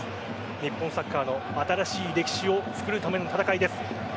日本サッカーの新しい歴史をつくるための戦いです